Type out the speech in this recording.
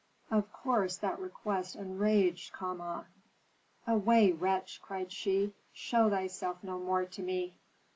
Of course that request enraged Kama. "Away, wretch," cried she; "show thyself no more to me!"